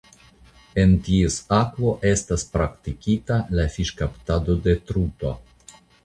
En ties akvo estas praktikita la fiŝkaptado de truto.